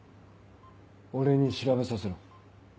俺に調べさせろ。